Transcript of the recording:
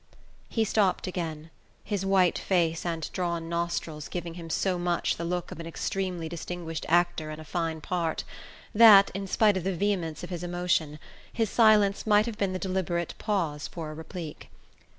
He stopped again, his white face and drawn nostrils giving him so much the look of an extremely distinguished actor in a fine part that, in spite of the vehemence of his emotion, his silence might have been the deliberate pause for a replique.